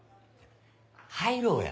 入ろうや。